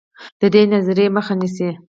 د دې نظریې مخه نیسي.